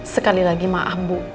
sekali lagi maaf bu